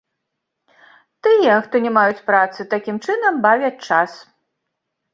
Тыя, хто не маюць працы, такім чынам бавяць час.